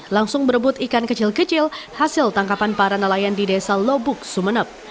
langsung berebut ikan kecil kecil hasil tangkapan para nelayan di desa lobuk sumeneb